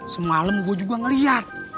semalam gue juga ngeliat